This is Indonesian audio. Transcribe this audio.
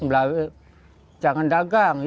mereka akan menguruskan anaknya